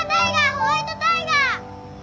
ホワイトタイガー！